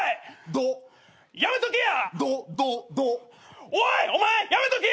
「怒」やめとけや！